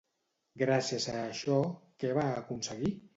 Gràcies a això, què va aconseguir?